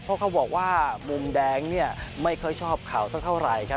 เพราะเขาบอกว่ามุมแดงไม่เคยชอบเข่าเท่าไหร่